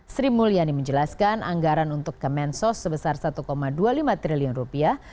sri mulyani menjelaskan anggaran untuk kemensos sebesar satu dua puluh lima triliun rupiah